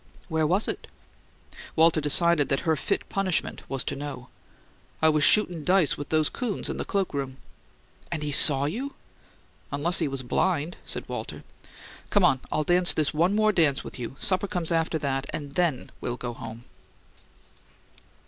"Where was it?" Walter decided that her fit punishment was to know. "I was shootin' dice with those coons in the cloak room." "And he saw you?" "Unless he was blind!" said Walter. "Come on, I'll dance this one more dance with you. Supper comes after that, and THEN we'll go home."